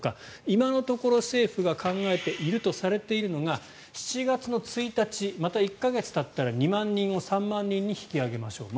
今のところ、政府が考えているとされているのが７月１日また１か月たったら２万人を３万人に引き上げましょう。